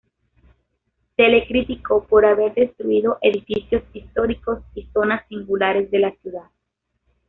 Se le criticó por haber destruido edificios históricos y zonas singulares de la ciudad.